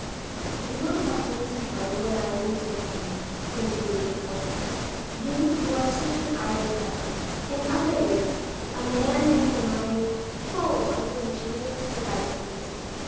"You will help me to find what I am in search of," continued the comte: "you who are such an idle fellow, in other words, a man with a mind full of ingenious devices."